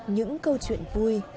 những câu chuyện vui